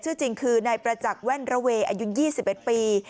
ชื่อจริงคือนายประจักษ์แว่นระเวย์อายุ๒๑ปี